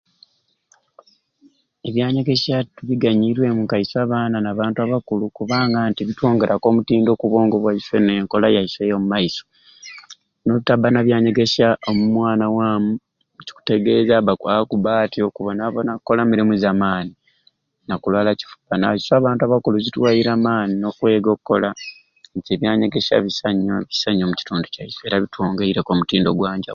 Ebyanyegesya tubiganyiremu nkaiswe abaana n'abantu abakulu kubanga nti bitwongeraku omutindo oku bwongo bwaiswe ne nkola yaiswe eyo mu maiso no tabba na byanyegesya omwana wamu ekikutegeeza abb'akwaba kubba atyo kubonaabona kukola mirumu za maani nakulaala kifu naiswe abantu abakulu bituwery'amaani n'okwega okukola nti ebyanyegesya bisai nnyo bisa nnyo omu kitundu kyaiswe era bitwongeireku omutindo ogwa njawulo.